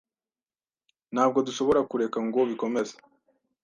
Ntabwo dushobora kureka ngo bikomeze.